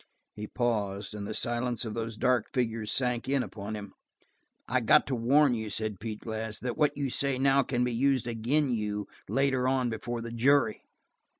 He paused, and the silence of those dark figures sank in upon him. "I got to warn you," said Pete Glass, "that what you say now can be used again you later on before the jury."